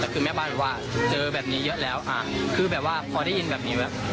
แต่คือแม่บ้านบอกว่าเจอแบบนี้เยอะแล้วคือแบบว่าพอได้ยินแบบนี้แล้ว